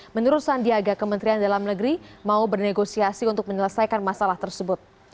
menurut sandiaga kementerian dalam negeri mau bernegosiasi untuk menyelesaikan masalah tersebut